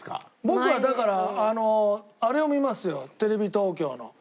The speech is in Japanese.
僕はだからあれを見ますよテレビ東京の。